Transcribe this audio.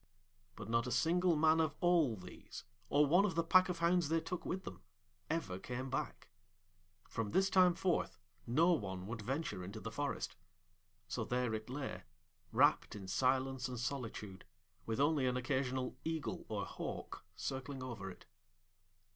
But not a single man of all these, or one of the pack of hounds they took with them, ever came back. From this time forth no one would venture into the forest; so there it lay, wrapped in silence and solitude, with only an occasional eagle or hawk circling over it.